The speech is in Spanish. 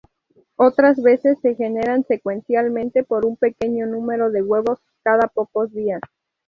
Otras veces se generan secuencialmente, por un pequeño número de huevos cada pocos días.